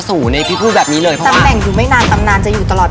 ตำแหน่งอยู่ไม่นานตำนานจะอยู่ตลอด